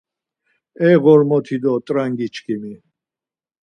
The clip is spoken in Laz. E Ğormoti do Ťrangi çkimi!.